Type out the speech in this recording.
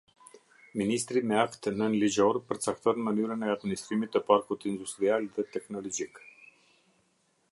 Ministri me akt nënligjor përcakton mënyrën e administrimit të parkut industrial dhe teknologjik.